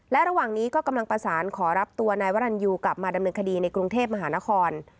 และระหว่างนี้ก็กำลังประสานขอรับตัวนายวรรณยูกลับมาดำเนินคดีในกรุงเทพมหานคร